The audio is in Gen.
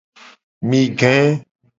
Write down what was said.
Mi ge.